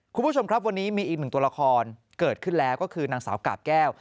คุณผู้ชมครับวันนี้มีอีกหนึ่งตัวละครเกิดขึ้นแล้วก็คือนางสาวกาบแก้ว